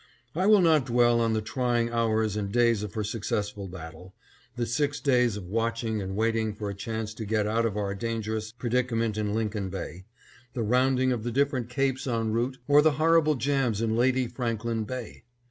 I will not dwell on the trying hours and days of her successful battle, the six days of watching and waiting for a chance to get out of our dangerous predicament in Lincoln Bay, the rounding of the different capes en route, or the horrible jams in Lady Franklin Bay.